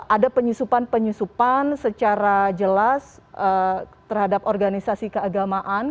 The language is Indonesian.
ada penyusupan penyusupan secara jelas terhadap organisasi keagamaan